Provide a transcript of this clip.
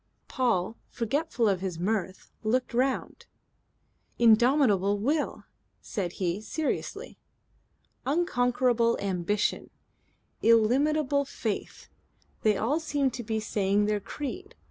Paul, forgetful of his mirth, looked round. "'Indomitable will," said he seriously. "Unconquerable ambition, illimitable faith. They all seem to be saying their creed.